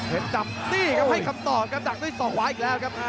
เพชรจับตีให้คำตอบครับดักด้วยส่อขวาอีกแล้วครับ